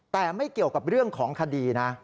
แต่ไม่เกี่ยวกับเรื่องของคดีนะ